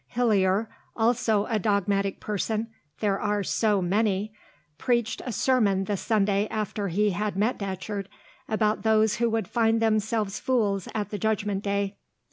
Hillier (also a dogmatic person; there are so many) preached a sermon the Sunday after he had met Datcherd about those who would find themselves fools at the Judgment Day.